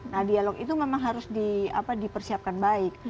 nah dialog itu memang harus dipersiapkan baik